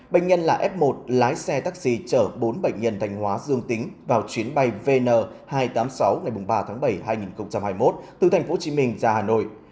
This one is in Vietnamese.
bệnh nhân là f một lái xe taxi chở bốn bệnh nhân thanh hóa dương tính vào chuyến bay vn hai trăm tám mươi sáu ngày ba tháng bảy hai nghìn hai mươi một từ tp hcm ra hà nội